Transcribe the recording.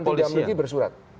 menteri dalam negeri bersurat